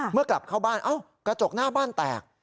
เมื่อกลับเข้าบ้านกระจกหน้าบ้านแตก